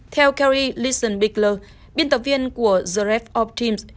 theo kerry lisson bickler biên tập viên của the ref of teams